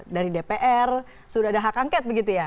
dari dpr sudah ada hak angket begitu ya